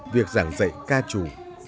việc giảng dạy ca trù